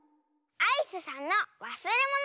「アイスさんのわすれもの」